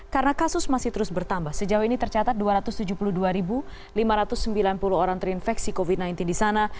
karena kasus masih terus bertambah sejauh ini tercatat dua ratus tujuh puluh dua lima ratus sembilan puluh orang terinfeksi covid sembilan belas di sana